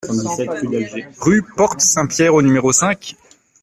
Rue Porte Saint-Pierre au numéro cinq